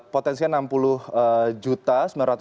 potensi nya enam puluh juta